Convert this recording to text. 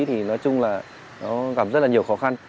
thì nói chung là nó gặp rất là nhiều khó khăn